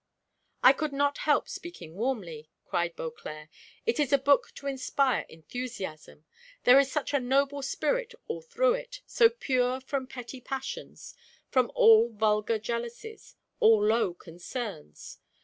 "I could not help speaking warmly," cried Beauclerc; "it is a book to inspire enthusiasm; there is such a noble spirit all through it, so pure from petty passions, from all vulgar jealousies, all low concerns!